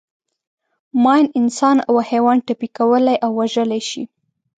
ماین انسان او حیوان ټپي کولای او وژلای شي.